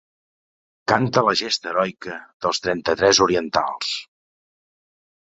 Canta la gesta heroica dels Trenta-tres orientals.